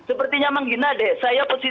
sepertinya menghina deh